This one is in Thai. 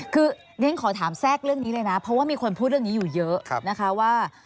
คือเรียนขอถามแทรกเรื่องนี้เลยนะเพราะว่ามีคนพูดเรื่องนี้อยู่เยอะนะคะว่า